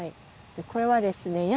これはですね